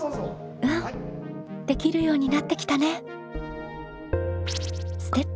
うんできるようになってきたね。